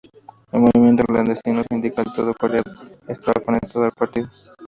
El movimiento clandestino sindical Todo Corea estaba conectado al Partido.